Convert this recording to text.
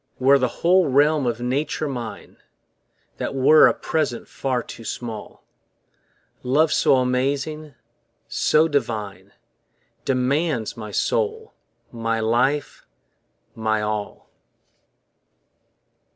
Were the whole realm of Nature mine, That were a present far too small: Love so amazing, so divine Demands my soul, my life, my all.